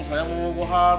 saya mau bukuhan